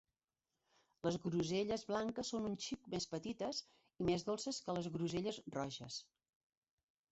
Les groselles blanques són un xic més petites i més dolces que les groselles roges.